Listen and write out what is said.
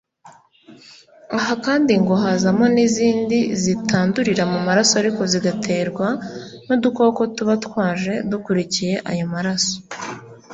Aha kandi ngo hazamo n’izindi zitandurira mu maraso ariko zigaterwa n’udukoko tuba twaje dukurikiye ayo maraso